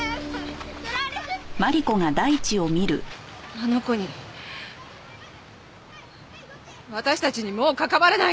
あの子に私たちにもう関わらないで！